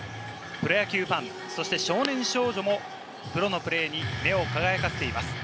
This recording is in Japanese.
プロ野球ファン、そして少年少女もプロのプレーに目を輝かせています。